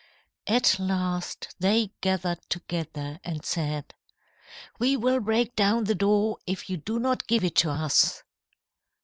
"At last, they gathered together, and said: "'We will break down the door if you do not give it to us.'